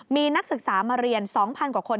มีนักศึกษามาเรียน๒๐๐๐กว่าคนเท่านั้นเอง